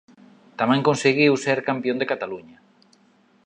Tamén conseguiu ser campión de Cataluña.